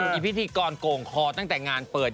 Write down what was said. มีพิธีกรโก่งคอตั้งแต่งานเปิด